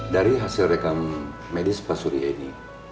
dari hasil rekam medis pak surya ini